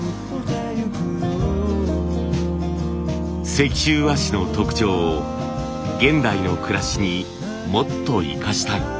石州和紙の特長を現代の暮らしにもっと生かしたい。